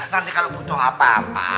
nanti kalau butuh apa apa